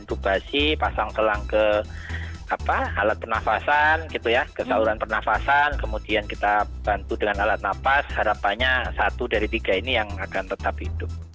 kita lakukan intubasi pasang telang ke alat pernafasan gitu ya kesauran pernafasan kemudian kita bantu dengan alat nafas harapannya satu dari tiga ini yang akan tetap hidup